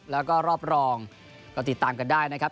แล้วก็รอบรองก็ติดตามกันได้นะครับ